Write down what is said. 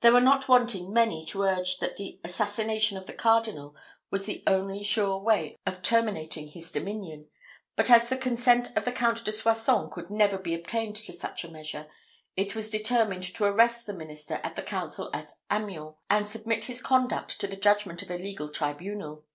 There were not wanting many to urge that the assassination of the cardinal was the only sure way of terminating his dominion; but as the consent of the Count de Soissons could never be obtained to such a measure, it was determined to arrest the minister at the council at Amiens, and submit his conduct to the judgment of a legal tribunal.